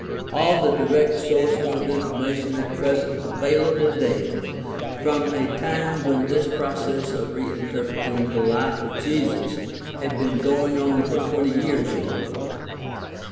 All the direct sources of information at present available date from a time when this process of reinterpreting the life of Jesus had been going on for twenty years or more.